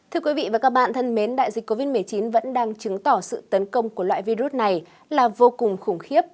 thưa quý vị và các bạn thân mến đại dịch covid một mươi chín vẫn đang chứng tỏ sự tấn công của loại virus này là vô cùng khủng khiếp